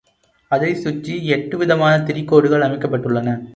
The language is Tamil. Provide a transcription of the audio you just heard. அதைச் சுற்றி எட்டு விதமான திரிகோடுகள் அமைக்கப்பட்டுள்ளன.